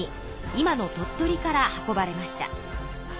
今の鳥取から運ばれました。